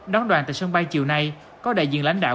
đón đoàn tại sân bay chiều nay có đại diện lãnh đạo